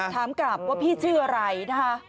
ถามกลับว่าพี่ชื่ออะไรนะคะ